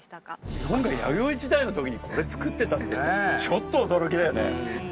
日本が弥生時代の時にこれ作ってたってちょっと驚きだよね。